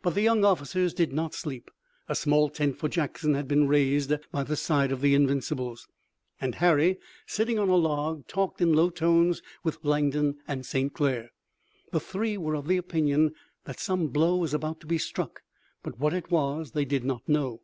But the young officers did not sleep. A small tent for Jackson had been raised by the side of the Invincibles, and Harry, sitting on a log, talked in low tones with Langdon and St. Clair. The three were of the opinion that some blow was about to be struck, but what it was they did not know.